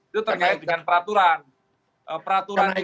itu terkait dengan peraturan